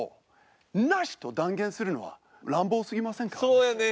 「そうやねん！